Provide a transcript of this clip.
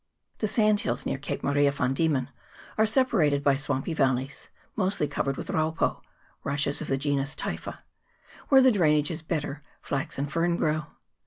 The sand hills near Cape Maria van Diemen are separated by swampy valleys, mostly covered with raupo (rushes of the genus Typha) : where the drainage is better, flax and fern grow.